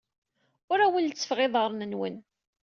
Ur awen-lettfeɣ iḍarren-nwen.